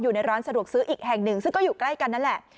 อยู่ในร้านสะดวกซื้ออีกแห่งหนึ่งซึ่งก็อยู่ใกล้กันนั่นแหละ